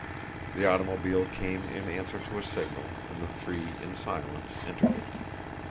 The automobile came in answer to a signal and the three in silence entered it.